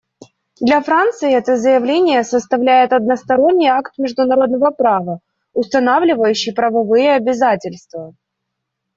Для Франции это заявление составляет односторонний акт международного права, устанавливающий правовые обязательства.